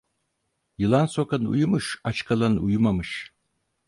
Yılan sokan uyumuş, aç kalan uyumamış.